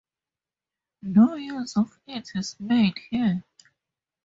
No use of it is made here.